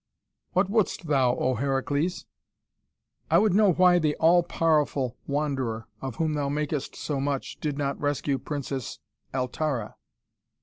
"What wouldst thou, oh Heracles?" "I would know why the all powerful Wanderer, of whom thou makest so much, did not rescue Princess Altara?"